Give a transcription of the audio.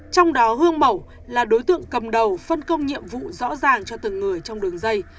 trong đó hương mẩu là đối tượng cầm đầu phân công nhiệm vụ rõ ràng cho từng người trong đường dây